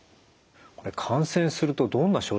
これ感染するとどんな症状が現れるんですか？